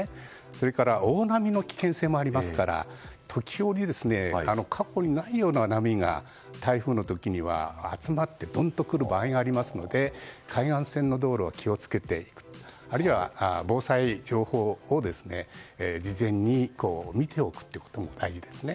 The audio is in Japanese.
それから大波の危険性もありますから時折、過去にないような波が台風の時には集まってどんと来る場合がありますので海岸線の道路は気を付けてあるいは防災情報を事前に見ておくことも大事ですね。